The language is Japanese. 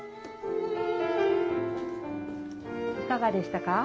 いかがでしたか？